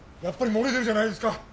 やっぱり漏れてるじゃないですか。